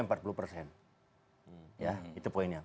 ya itu poinnya